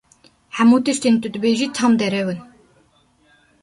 Hemû tiştên tu dibêjî tam derew in!